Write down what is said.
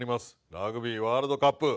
ラグビーワールドカップ。